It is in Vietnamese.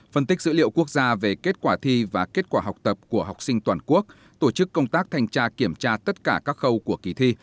phân tích dữ liệu quốc gia về kết quả thi và kết quả học tập của học sinh toàn quốc tổ chức công tác thanh tra kiểm tra tất cả các khâu của kỳ thi